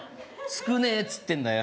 少ねえっつってんだよ